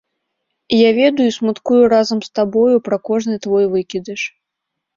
Я ведаю і смуткую разам з табою пра кожны твой выкідыш.